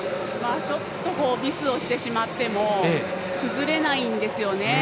ちょっとミスをしても崩れないんですよね。